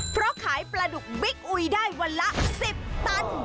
เพราะขายปลาดุกบิ๊กอุยได้วันละ๑๐ตัน